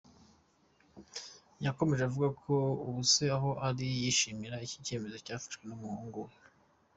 Yakomeje avuga ko ubu se aho ari yishimira iki cyemezo cyafashwe n’umuhungu we.